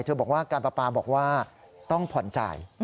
บอกว่าการปลาปลาบอกว่าต้องผ่อนจ่าย